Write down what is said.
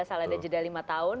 asal ada jeda lima tahun